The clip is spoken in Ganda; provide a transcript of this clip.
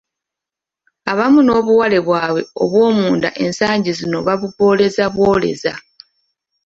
Abamu n'obuwale bwabwe obw'omunda ensangi zino babubooleza bwoleza!